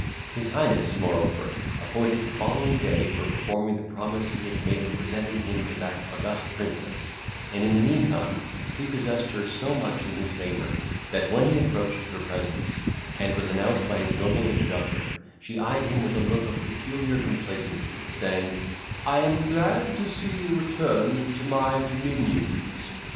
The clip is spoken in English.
His highness, moreover, appointed the following day for performing the promise he had made of presenting him to that august princess, and in the meantime prepossessed her so much in his favour, that when he approached her presence, and was announced by his noble introductor, she eyed him with a look of peculiar complacency, saying, "I am glad to see you returned to my dominions.